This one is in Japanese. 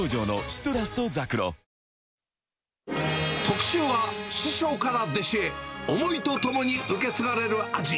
特集は、師匠から弟子へ、思いとともに受け継がれる味。